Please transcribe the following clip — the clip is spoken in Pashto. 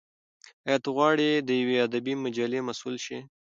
ایا ته غواړې د یوې ادبي مجلې مسول شې؟